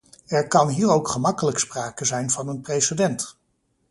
Er kan hier ook gemakkelijk sprake zijn van een precedent.